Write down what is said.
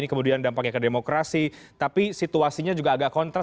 presiden jokowi beberapa hari yang lalu